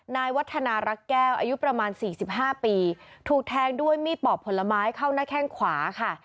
นายวัฒนารักแก้วอายุประมาณสี่สิบห้าปีถูกแทงด้วยมีดปอกผลไม้เข้าหน้าแข้งขวาค่ะ